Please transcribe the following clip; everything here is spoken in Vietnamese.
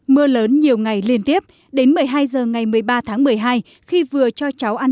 mưa lớn nhiều ngày liên tiếp đến một mươi hai h ngày một mươi ba tháng một mươi hai khi vừa cho cháu ăn